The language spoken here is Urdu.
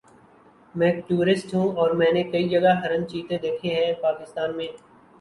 میں ایک ٹورسٹ ہوں اور میں نے کئی جگہ ہرن چیتے دیکھے ہے پاکستان میں